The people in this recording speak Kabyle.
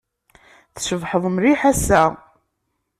Tcebḥed mliḥ ass-a.